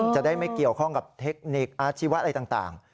ไม่เกี่ยวข้องกับเทคนิคอาชีวะอะไรต่าง